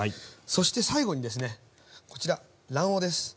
そして最後にですねこちら卵黄です。